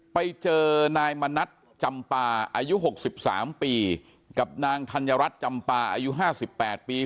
ไปเจอนายมณัฐจำปาอายุ๖๓ปีกับนางธัญรัฐจำปาอายุ๕๘ปี